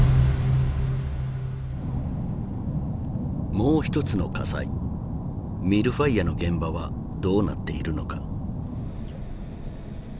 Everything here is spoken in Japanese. もう一つの火災ＭｉｌｌＦｉｒｅの現場はどうなっているのか。